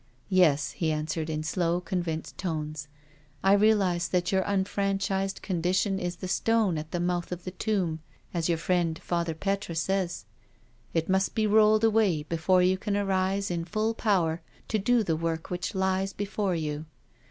" Yes, he answered in slow, convinced tones, " I realise that your unfranchised condition is the stone at the mouth of the tomb, as your friend Father Petre says. It must be rolled away before you can arise in full power to do the work which lies before you.'